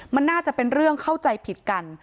มันน่าจะเป็นเรื่องเข้าใจผิดกัน